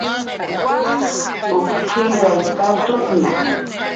Uk qillay katutna